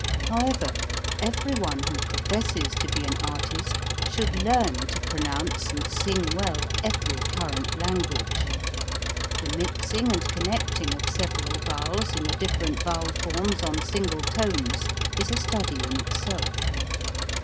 However, every one who pro fesses to be an artist should learn to pronounce and sing well every current language. The mixing and connecting of several vowels in the different vowel forms on single tones is a study in itself.